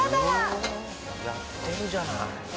やってるじゃない。